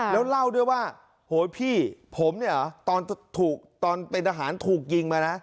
แล้วเล่าด้วยว่าโหยพี่ผมเนี่ยเหรอตอนเป็นทหารถูกยิงมานะ